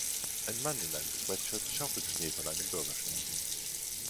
Ein Mann in einem Sweatshirt schaufelt Schnee von einem Bürgersteig.